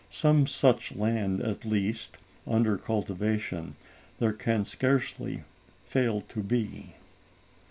Some such land at least, under cultivation, there can scarcely fail to be.